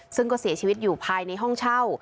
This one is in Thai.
ซึ่งก็เสียชีวิตอยู่ภายในห้องเช่า